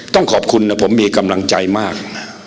ต้องขอบคุณนะผมมีกำลังใจมาก